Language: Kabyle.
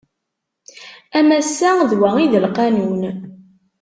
A massa d wa i d lqanun.